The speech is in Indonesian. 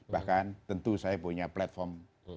bahkan tentu saya punya platform partai partai greenpeace